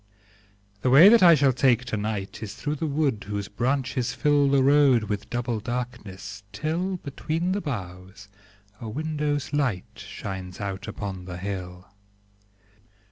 The way that I shall take to night Is through the wood whose branches fill The road with double darkness, till, Between the boughs, a window's light Shines out upon the hill.